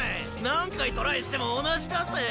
何回トライしても同じだぜ？